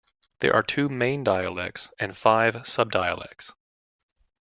There are two main dialects, and five subdialects.